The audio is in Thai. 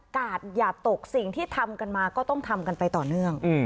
กาดอย่าตกสิ่งที่ทำกันมาก็ต้องทำกันไปต่อเนื่อง